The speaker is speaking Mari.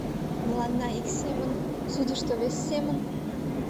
Мыланна — ик семын, судышто — вес семын?